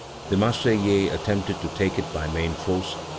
The Marseillais attempted to take it by main force.